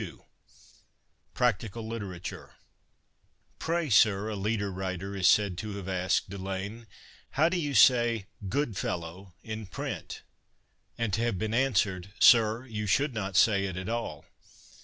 279 PRACTICAL LITERATURE " Pray, Sir," a leader writer is said to have asked Delane, " how do you say ' good fellow ' in print ?" and to have been answered, " Sir, you should not say it at all."